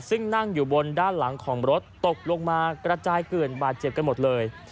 ซึ่งนั่งอยู่บนด้านหลังของรถตกลงมากระจายเกลือนบาดเจ็บกันหมดเลย